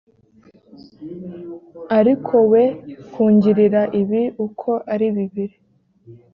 ariko we kungirira ibi uko ari bibiri